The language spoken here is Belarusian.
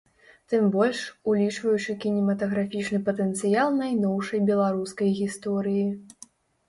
Тым больш, улічваючы кінематаграфічны патэнцыял найноўшай беларускай гісторыі.